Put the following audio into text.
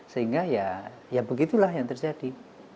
sehingga ya begitulah yang terjadi